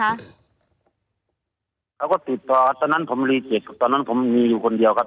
เขาก็ติดต่อตอนนั้นผมมีอยู่คนเดียวครับ